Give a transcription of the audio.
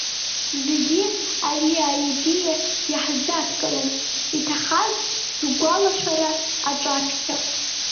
Зе-гьы ари аидеиа иаҳзадкылом, иҭахаз ргәалашәара аҿаԥхьа.